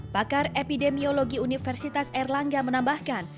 pakar epidemiologi universitas erlangga menambahkan